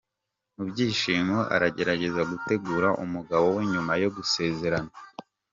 Mu byishimo aragerageza guterura umugabo we nyuma yo gusezerana.